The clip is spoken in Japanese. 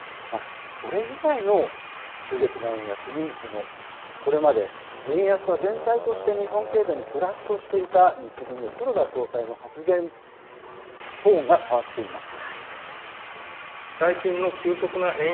それ以外の急激な円安にこれまで円安は全体として日本経済にプラスとしていた日銀の黒田総裁の発言等が変わっています。